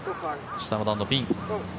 下の段のピン。